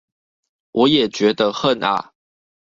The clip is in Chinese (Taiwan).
我也覺得恨啊